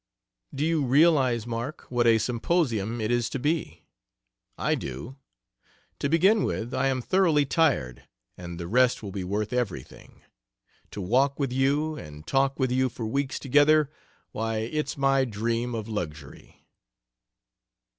do you realize, Mark, what a symposium it is to be? I do. To begin with, I am thoroughly tired, and the rest will be worth everything. To walk with you and talk with you for weeks together why, it's my dream of luxury."